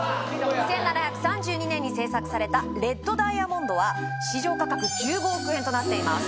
１７３２年に製作されたレッド・ダイヤモンドは市場価格１５億円となっています